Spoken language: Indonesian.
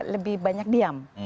lebih banyak diam